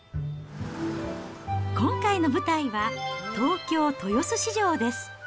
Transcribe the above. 今回の舞台は東京・豊洲市場です。